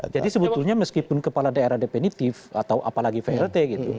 jadi sebetulnya meskipun kepala daerah definitif atau apalagi plt gitu